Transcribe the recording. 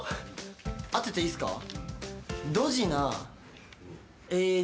当てていいっすか？